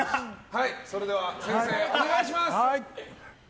それでは先生、お願いします。